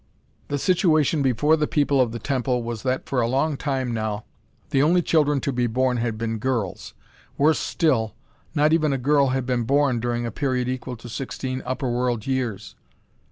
The situation before the People of the Temple was that for a long time now, the only children to be born had been girls. Worse still, not even a girl had been born during a period equal to sixteen upper world years.